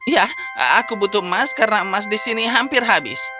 ya aku butuh emas karena emas di sini hampir habis